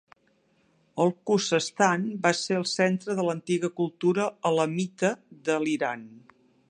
El Khuzestan va ser el centre de l'antiga cultura Elamita de l'Iran.